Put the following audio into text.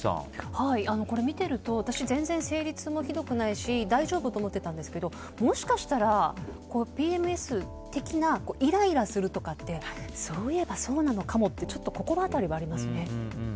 これを見てると私、全然生理痛もひどくないし大丈夫と思ってたんですけどもしかしたらＰＭＳ的な、イライラするってそういえばそうなのかもってちょっと心当たりはありますね。